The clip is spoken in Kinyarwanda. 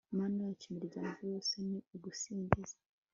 mana yacu, imiryango yose nigusingize